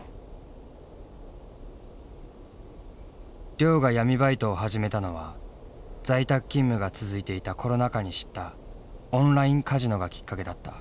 亮が闇バイトを始めたのは在宅勤務が続いていたコロナ禍に知ったオンラインカジノがきっかけだった。